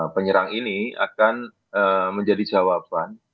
penyerang ini akan menjadi jawaban